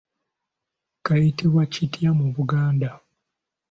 Kayitibwa kitya mu Buganda.